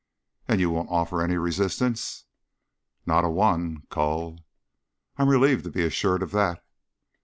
"And you won't offer any resistance?" "Not a one, cull." "I'm relieved to be assured of that."